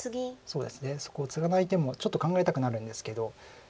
そうですねそこをツガない手もちょっと考えたくなるんですけど。